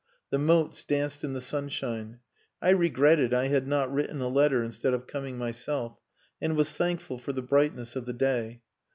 The motes danced in the sunshine; I regretted I had not written a letter instead of coming myself, and was thankful for the brightness of the day.